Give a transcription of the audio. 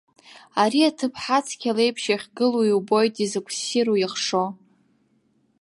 Ари аҭыԥҳацқьа леиԥш иахьгылоу иубоит изакә ссиру иахшо.